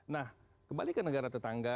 nah kembali ke negara tetangga